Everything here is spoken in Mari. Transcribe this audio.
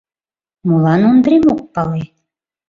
Молан Ондрем ок пале?